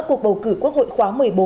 cuộc bầu cử quốc hội khóa một mươi bốn